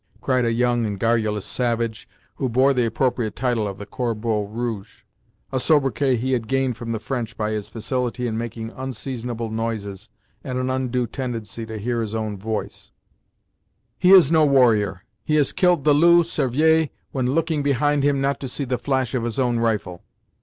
cried a young and garrulous savage, who bore the appropriate title of the Corbeau Rouge; a sobriquet he had gained from the French by his facility in making unseasonable noises, and an undue tendency to hear his own voice; "he is no warrior; he has killed the Loup Cervier when looking behind him not to see the flash of his own rifle.